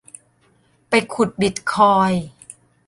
ไปขุดบิตคอยน์